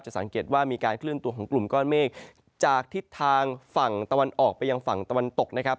สังเกตว่ามีการเคลื่อนตัวของกลุ่มก้อนเมฆจากทิศทางฝั่งตะวันออกไปยังฝั่งตะวันตกนะครับ